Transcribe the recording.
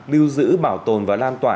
lưu giữ bảo tồn và lan tỏa